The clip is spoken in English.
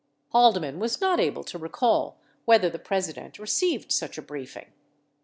68 Haldeman was not able to recall whether the President received such a briefing.